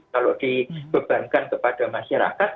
kalau dibebankan kepada masyarakat